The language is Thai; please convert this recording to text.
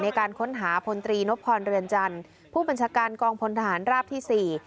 ในการค้นหาพลตรีนพรเรือนจันทร์ผู้บัญชาการกองพลทหารราบที่สี่